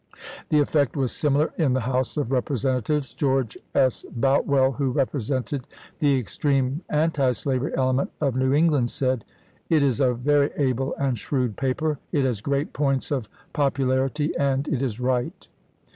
The effect was similar in the House of Eepresentatives. George S. Boutwell, who represented the extreme antislavery element of New England, said :" It is a very able and shrewd paper. It has great points of popular ity, and it is right."